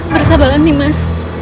bersabarlah nih mas